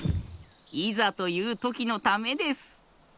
いざというときのためです。